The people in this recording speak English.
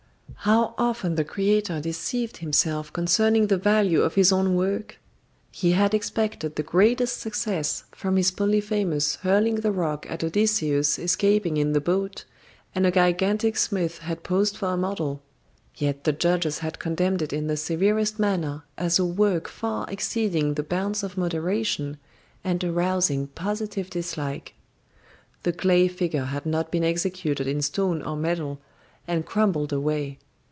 How often the creator deceived himself concerning the value of his own work! He had expected the greatest success from his Polyphemus hurling the rock at Odysseus escaping in the boat, and a gigantic smith had posed for a model. Yet the judges had condemned it in the severest manner as a work far exceeding the bounds of moderation, and arousing positive dislike. The clay figure had not been executed in stone or metal, and crumbled away.